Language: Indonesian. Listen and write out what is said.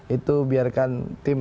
itu biarkan tim